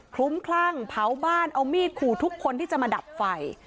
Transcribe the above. ลุ้มคลั่งเผาบ้านเอามีดขู่ทุกคนที่จะมาดับไฟ